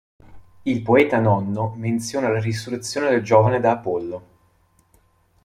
Il poeta Nonno menziona la risurrezione del giovane da Apollo.